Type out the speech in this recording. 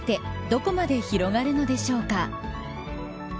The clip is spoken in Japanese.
どこまで広がるのでしょうか。